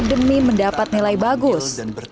demi mendapat nilai bagus